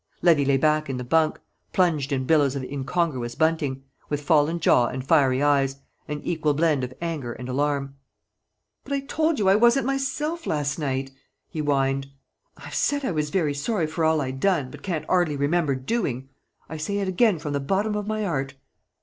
Levy lay back in the bunk, plunged in billows of incongruous bunting, with fallen jaw and fiery eyes, an equal blend of anger and alarm. "But I told you I wasn't myself last night," he whined. "I've said I was very sorry for all I done, but can't 'ardly remember doing. I say it again from the bottom of my 'eart."